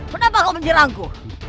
kenapa kau menjirangku